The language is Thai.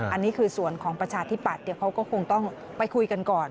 อันนี้คือส่วนของประชาธิปัตย์เดี๋ยวเขาก็คงต้องไปคุยกันก่อน